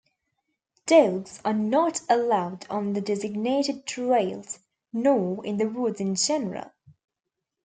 Dogs are not allowed on the designated trails, nor in the woods in general.